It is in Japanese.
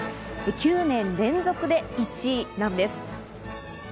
９年連続で１位なんです。